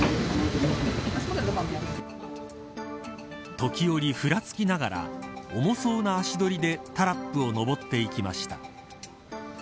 時折、ふらつきながら重そうな足取りでタラップを上っていきました。